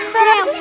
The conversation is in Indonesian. suara apa sih